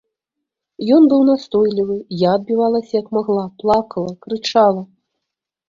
Ён быў настойлівы, я адбівалася як магла, плакала, крычала.